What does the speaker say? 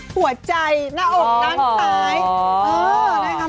หัวใจหน้าอกด้านซ้าย